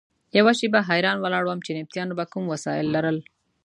یوه شېبه حیران ولاړ وم چې نبطیانو به کوم وسایل لرل.